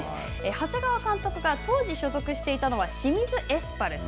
長谷川監督が当時所属していたのは、清水エスパルス。